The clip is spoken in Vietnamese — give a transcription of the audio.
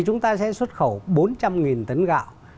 chúng ta sẽ xuất khẩu bốn trăm linh tấn gạo